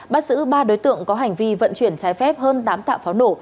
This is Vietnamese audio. bắt giữ ba đối tượng có hành vi vận chuyển trái phép hơn tám tạ pháo nổ